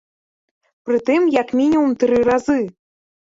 Прытым як мінімум тры разы.